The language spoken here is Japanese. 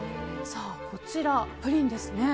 こちら、プリンですね。